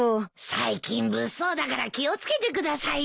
最近物騒だから気を付けてくださいよ。